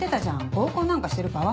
合コンなんかしてる場合？